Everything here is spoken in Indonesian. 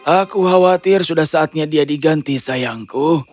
aku khawatir sudah saatnya dia diganti sayangku